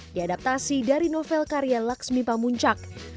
diadaptasi dari novel karya laksmi pamuncak